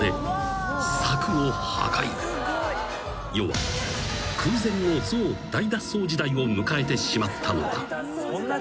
［世は空前の象大脱走時代を迎えてしまったのだ］